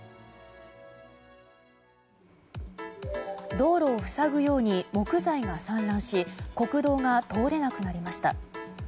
道路を塞ぐように木材が散乱し国道が通れなくなりました。